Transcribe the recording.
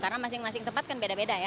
karena masing masing tempat kan beda beda ya